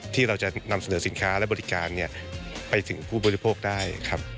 ที่เราจะนำเสนอสินค้าและบริการไปถึงผู้บริโภคได้ครับ